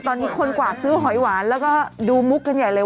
ตอนนี้คนกว่าซื้อหอยหวานแล้วก็ดูมุกกันใหญ่เลย